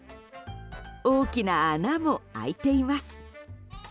大きな穴も開いています。